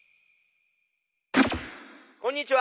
こんにちは。